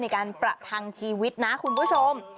ในการประทังชีวิตนะคุณผู้ชม